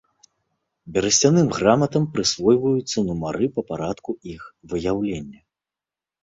Берасцяным граматам прысвойваюцца нумары па парадку іх выяўлення.